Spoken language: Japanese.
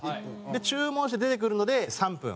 で注文して出てくるので３分。